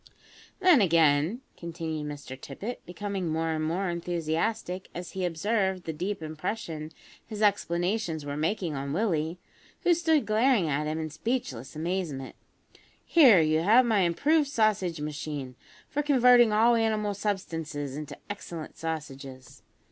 "Then, again," continued Mr Tippet, becoming more and more enthusiastic as he observed the deep impression his explanations were making on Willie, who stood glaring at him in speechless amazement, "here you have my improved sausage machine for converting all animal substances into excellent sausages.